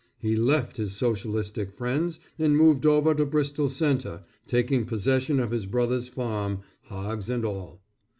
He left his socialistic friends and moved over to Bristol Centre, taking possession of his brother's farm, hogs, and all.